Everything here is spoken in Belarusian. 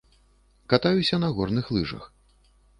Катаюся на горных лыжах.